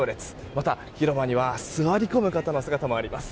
また広場には座り込む方の姿もあります。